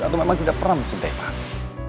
atau memang tidak pernah mencintai pak